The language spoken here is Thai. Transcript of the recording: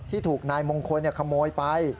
ถูกนายมงคลขโมยไป